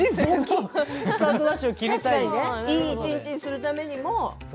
いい一日にするためにも。